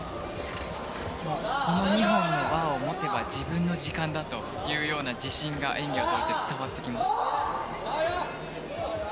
この２本のバーを持てば自分の時間だというような自信が演技を通じて伝わってきます。